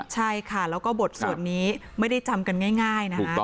ใช่ค่ะแล้วก็บทสวดนี้ไม่ได้จำกันง่ายนะ